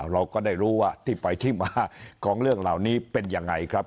เราก็ได้รู้ว่าที่ไหนของเรื่องเหล่านี้เป็นอย่างไร